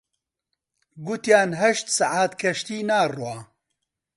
گوتیان هەشت سەعات کەشتی ناڕوا